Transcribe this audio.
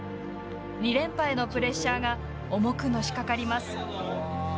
２連覇へのプレッシャーが重くのしかかります。